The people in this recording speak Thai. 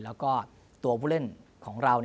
แล้วก็ตัวผู้เล่นของเรา